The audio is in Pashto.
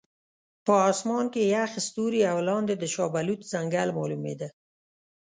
په اسمان کې یخ ستوري او لاندې د شاه بلوط ځنګل معلومېده.